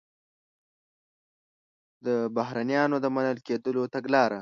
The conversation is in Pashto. د بهرنیانو د منل کېدلو تګلاره